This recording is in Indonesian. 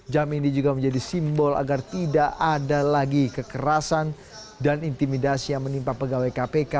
jam ini juga menjadi simbol agar tidak ada lagi kekerasan dan intimidasi yang menimpa pegawai kpk